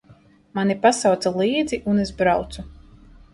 Mani pasauca līdzi, un es braucu.